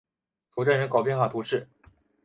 索镇人口变化图示